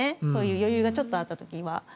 そういう余裕がちょっとあった時は。